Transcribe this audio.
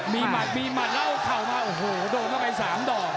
มีหมัดมีหมัดแล้วเข่ามาโอ้โหโดนเข้าไป๓ดอก